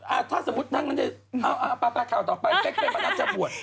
อ่าถ้าสมมุติทั้งมันจะเอาป่ะข่าวต่อไปเพ็กไปมารับจับบวช